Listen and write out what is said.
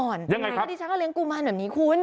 ยังไงครับแล้วเป็นไงครับดีฉันก็เลี้ยงกูมานแบบนี้คุณ